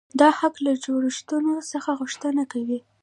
دا حق له جوړښتونو څخه غوښتنه کوي.